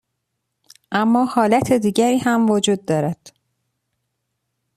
اما حالت دیگری هم وجود دارد.